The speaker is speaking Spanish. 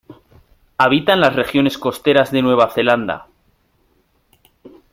Habitan las regiones costeras de Nueva Zelanda.